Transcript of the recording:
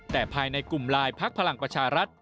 แต่ภายในกลุ่มไลน์พักพลังประชารัฐ